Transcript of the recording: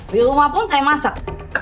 di rumah pun saya masak